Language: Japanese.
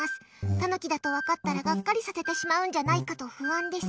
タヌキだと分かったらがっかりさせてしまうんじゃないかと不安です。